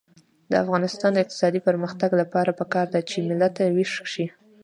د افغانستان د اقتصادي پرمختګ لپاره پکار ده چې ملت ویښ شي.